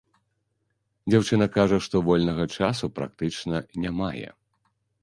Дзяўчына кажа, што вольнага часу практычна не мае.